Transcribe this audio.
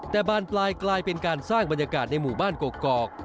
แต่บานปลายกลายเป็นการสร้างบรรยากาศในหมู่บ้านกกอก